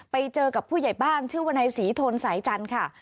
ไปเจอกับผู้ใหญ่บ้านชื่อวนายศรีทนสายจันทร์ค่ะ